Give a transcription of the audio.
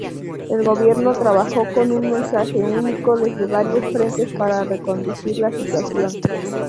El gobierno trabajó con un mensaje único desde varios frentes para reconducir la situación.